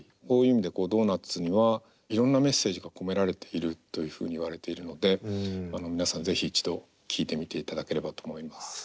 こういう意味で「Ｄｏｎｕｔｓ」にはいろんなメッセージが込められているというふうにいわれているので皆さん是非一度聴いてみていただければと思います。